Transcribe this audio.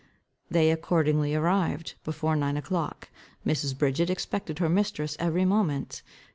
They accordingly arrived before nine o'clock. Mrs. Bridget expected her mistress every moment.